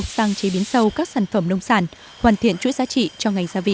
sang chế biến sâu các sản phẩm nông sản hoàn thiện chuỗi giá trị cho ngành gia vị